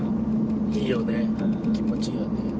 いいよね気持ちいいよね。